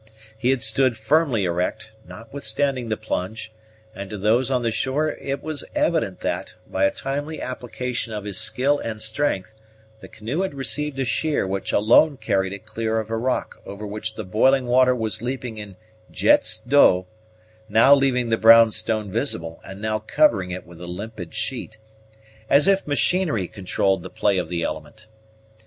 He had stood firmly erect, notwithstanding the plunge; and to those on the shore it was evident that, by a timely application of his skill and strength, the canoe had received a sheer which alone carried it clear of a rock over which the boiling water was leaping in jets d'eau, now leaving the brown stone visible, and now covering it with a limpid sheet, as if machinery controlled the play of the element.